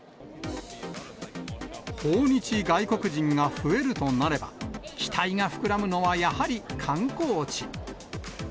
訪日外国人が増えるとなれば、期待が膨らむのはやはり観光地。